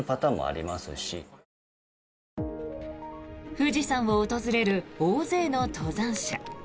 富士山を訪れる大勢の登山者。